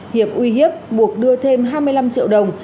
hiệp uy hiếp buộc đưa thêm hai mươi năm triệu đồng